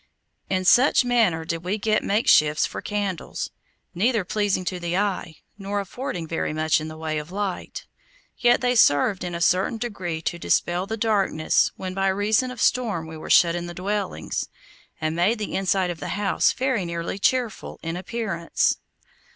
In such manner did we get makeshifts for candles, neither pleasing to the eye nor affording very much in the way of light; yet they served in a certain degree to dispel the darkness when by reason of storm we were shut in the dwellings, and made the inside of the house very nearly cheerful in appearance.